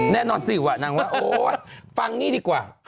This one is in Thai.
แน่นอนสิวะนางว่าโอ๊ยฟังนี่ดีกว่า